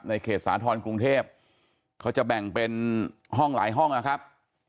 เขตสาธรณ์กรุงเทพเขาจะแบ่งเป็นห้องหลายห้องนะครับ